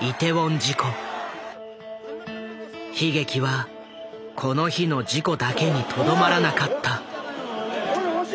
悲劇はこの日の事故だけにとどまらなかった。